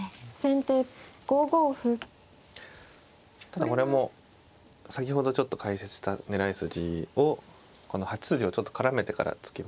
ただこれも先ほどちょっと解説した狙い筋をこの８筋をちょっと絡めてから突きましたね。